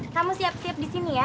kamu siap siap di sini ya